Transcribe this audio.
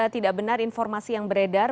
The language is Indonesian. tidak benar informasi yang beredar